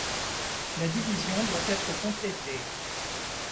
La division doit être complétée.